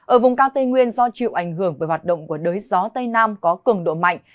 ở vùng cao tây nguyên do chịu ảnh hưởng bởi hoạt động của đới gió tây nam có cường độ mạnh